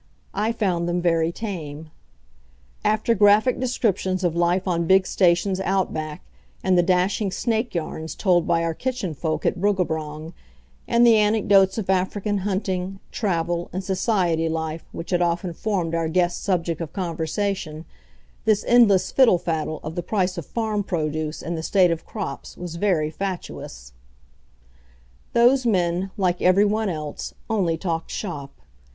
I found them very tame. After graphic descriptions of life on big stations outback, and the dashing snake yarns told by our kitchen folk at Bruggabrong, and the anecdotes of African hunting, travel, and society life which had often formed our guests' subject of conversation, this endless fiddle faddle of the price of farm produce and the state of crops was very fatuous. Those men, like everyone else, only talked shop.